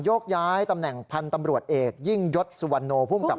ยกย้ายตำแหน่งพันธุ์ตำรวจเอกยิ่งยศซัวร์นโอะไร